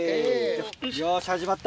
よし始まった。